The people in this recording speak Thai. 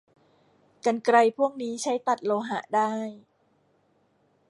กรรไกรพวกนี้ใช้ตัดโลหะได้